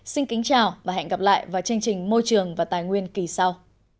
xin kính chào và hẹn gặp lại vào chương trình môi trường và tài nguyên kỳ sau